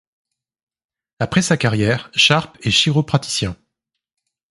Après sa carrière, Sharp est chiropraticien.